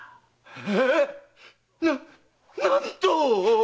ええっ⁉ななんと‼